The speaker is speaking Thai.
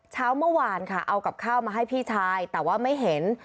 เช้าเมื่อวานค่ะเอากับข้าวมาให้พี่ชายแต่ว่าไม่เห็น